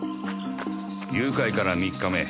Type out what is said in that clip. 誘拐から３日目。